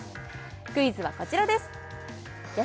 クイズはこちらですや